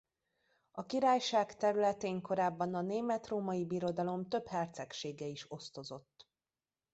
A királyság területén korábban a Német-római Birodalom több hercegsége is osztozott.